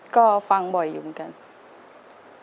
ก็ฟังบ่อยอยู่เหมือนกัน